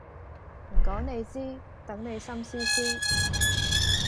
唔講你知，等你心思思